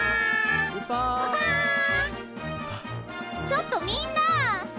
ちょっとみんな！